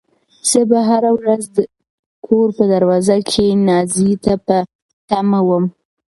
زه به هره ورځ د کور په دروازه کې نازيې ته په تمه وم.